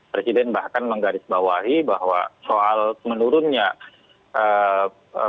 presiden bahkan menggarisbawahi bahwa soal menurunnya